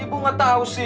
ibu enggak tahu sih